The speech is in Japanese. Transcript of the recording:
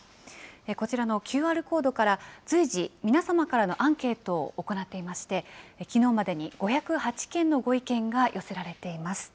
こちらのＱＲコードから、随時、皆様からのアンケートを行っていまして、きのうまでに５０８件のご意見が寄せられています。